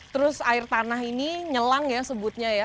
terus air tanah ini nyelang ya sebutnya ya